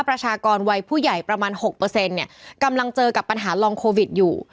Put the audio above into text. ประชากรวัยผู้ใหญ่ประมาณ๖กำลังเจอกับปัญหาลองโควิดอยู่